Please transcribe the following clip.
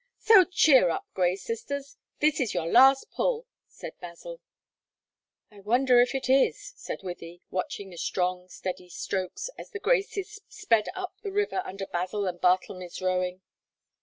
"So cheer up, Grey sisters; this is your last pull," said Basil. "I wonder if it is," said Wythie, watching the strong, steady strokes as The Graces sped up the river under Basil and Bartlemy's rowing.